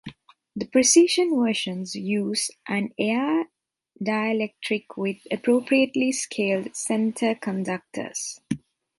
The precision versions use an air dielectric with appropriately scaled center conductors.